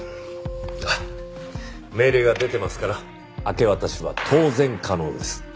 命令は出てますから明け渡しは当然可能です。